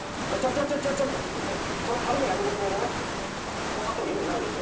ここ貼っても意味ないでしょ？